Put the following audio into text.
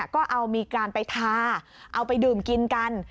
ก็เอามีการไปทาเอาไปดื่มกินกัน